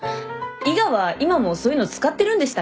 伊賀は今もそういうの使ってるんでしたっけ。